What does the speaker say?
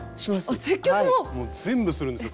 もう全部するんですよ